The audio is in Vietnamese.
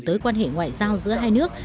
tới quan hệ ngoại giao giữa hai nước